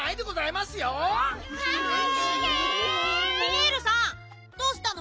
ピエールさんどうしたの？